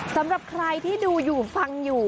สำหรับใครที่ดูอยู่ฟังอยู่